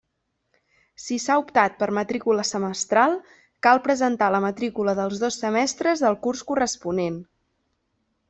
Si s'ha optat per matrícula semestral, cal presentar la matrícula dels dos semestres del curs corresponent.